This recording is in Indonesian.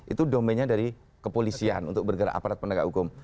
itu domainnya dari kepolisian untuk bergerak aparat pendekat hukum